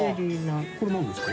これ何ですか？